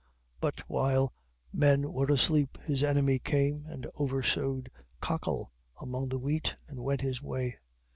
13:25. But while men were asleep, his enemy came and oversowed cockle among the wheat and went his way.